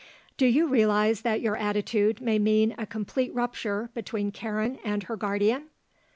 "Do you realize that your attitude may mean a complete rupture between Karen and her guardian?"